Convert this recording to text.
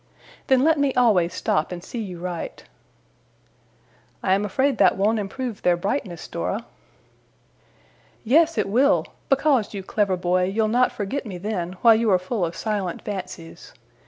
'Then let me always stop and see you write.' 'I am afraid that won't improve their brightness, Dora.' 'Yes, it will! Because, you clever boy, you'll not forget me then, while you are full of silent fancies.